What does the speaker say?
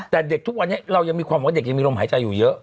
แต่เด็กทุกวันนี้เรายังมีความว่าเด็กยังมีลมหายใจอยู่เยอะ